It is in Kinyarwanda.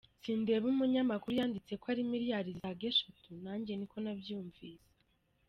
Sindeba umunyamakuru yanditse ko ari miliyari zisaga eshatu; nanjye niko nabyumvise.